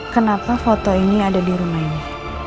kenapa foto ini ada di rumah ini